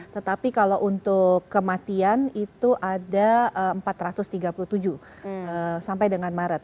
tetapi kalau untuk kematian itu ada empat ratus tiga puluh tujuh sampai dengan maret